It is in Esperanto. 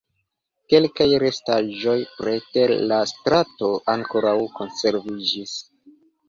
Kelkaj restaĵoj preter la strato ankoraŭ konserviĝis.